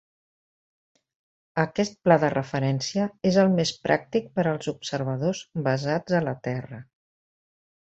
Aquest pla de referència és el més pràctic per als observadors basats a la Terra.